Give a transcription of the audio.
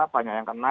banyak yang kena